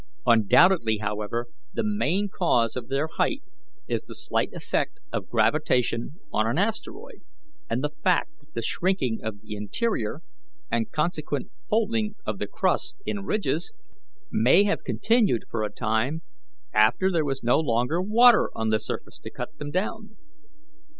Undoubtedly, however, the main cause of their height is the slight effect of gravitation on an asteroid, and the fact that the shrinking of the interior, and consequent folding of the crust in ridges, may have continued for a time after there was no longer water on the surface to cut them down.